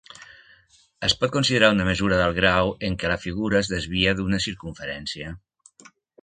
Es pot considerar una mesura del grau en què la figura es desvia d'una circumferència.